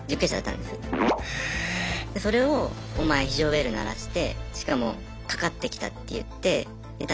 それをお前非常ベル鳴らしてしかもかかってきたって言ってもう懲罰行きなんですよ。